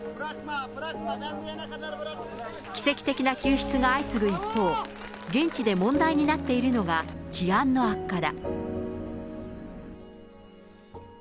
奇跡的な救出が相次ぐ一方、現地で問題になっているのが治安の悪化だ。